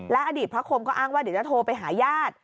อดีตพระคมก็อ้างว่าเดี๋ยวจะโทรไปหาญาติ